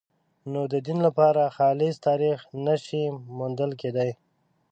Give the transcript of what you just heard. نو د دین لپاره خالص تاریخ نه شي موندل کېدای.